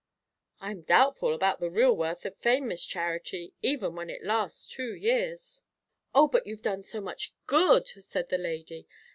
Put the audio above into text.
"I am doubtful about the real worth of fame, Miss Charity, even when it lasts two years." "O, but you've done so much good!" said the lady.